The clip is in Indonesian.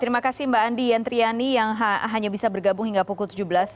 terima kasih mbak andi yentriani yang hanya bisa bergabung hingga pukul tujuh belas